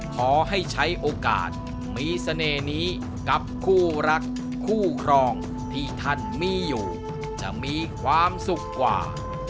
ขอให้ใช้โอกาสมีเสน่ห์นี้กับคู่รักคู่ครองที่ท่านมีอยู่จะมีความสุขกว่า